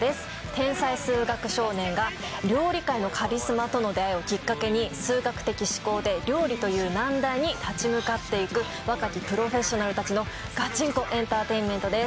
天才数学少年が料理界のカリスマとの出会いをきっかけに数学的思考で料理という難題に立ち向かっていく若きプロフェッショナルたちのガチンコエンターテインメントです